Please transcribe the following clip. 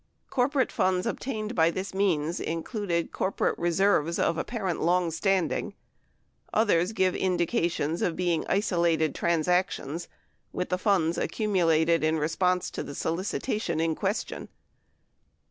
Corporate funds obtained by this means included corporate "reserves" of appar ent long standing; others give indications of being isolated trans actions with the funds accumulated in response to the solicitation in question.